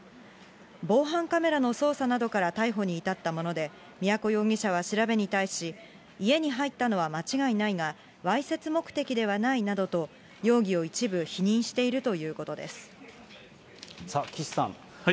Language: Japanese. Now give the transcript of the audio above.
防犯カメラの捜査などから逮捕に至ったもので、都容疑者は調べに対し、家に入ったのは間違いないが、わいせつ目的ではないなどと容疑を一部否認しているということでさあ、岸さん。